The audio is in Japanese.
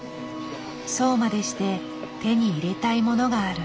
そうまでして手に入れたいものがある。